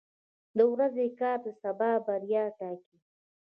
• د ورځې کار د سبا بریا ټاکي.